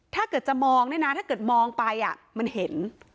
ถ้าเกิดจะมองเนี่ยนะถ้าเกิดมองไปมันเห็น